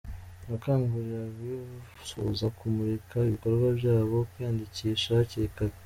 Yakanguriye abifuza kumurika ibikorwa byabo kwiyandikisha hakiri kare.